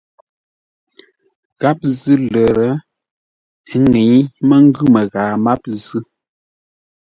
Gháp zʉ́ lər, ə́ ŋə́i mə́ ngʉ̂ məghaa máp zʉ́.